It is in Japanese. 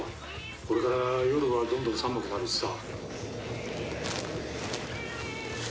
これから夜はどんどん寒くなるしさ。